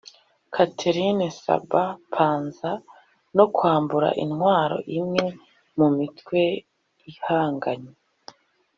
Catherine Samba-Panza no kwambura intwaro imwe mu mitwe ihanganye